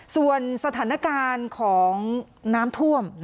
ส่วนสถานการณ์ของน้ำท่วม